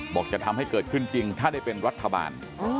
จะทำให้เกิดขึ้นจริงถ้าได้เป็นรัฐบาล